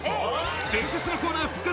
伝説のコーナー復活